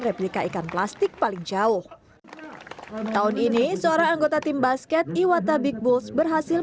replika ikan plastik paling jauh tahun ini seorang anggota tim basket iwata big bulls berhasil